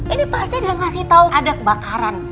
ini pasti dia ngasih tahu ada kebakaran